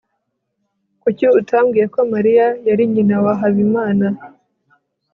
kuki utambwiye ko mariya yari nyina wa habimana